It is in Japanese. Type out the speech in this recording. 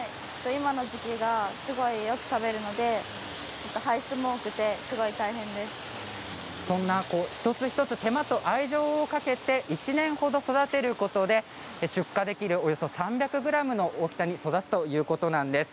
今の時期、魚たちもよく食べるので一つ一つ手間と愛情をかけて１年ほど育てることで出荷できるおよそ３００ｇの大きさに育つということなんです。